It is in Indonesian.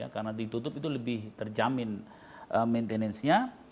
karena ditutup itu lebih terjamin maintenance nya